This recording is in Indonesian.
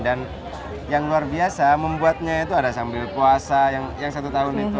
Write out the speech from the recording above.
yang luar biasa membuatnya itu ada sambil puasa yang satu tahun itu